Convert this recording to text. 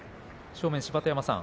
正面芝田山さん